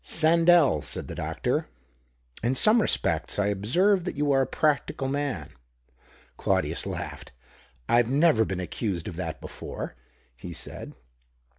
" Sandell," said the doctor, " in some espects I observe that you are a practical nan." Claudius laughed. " I've never been accused )f that before," he said.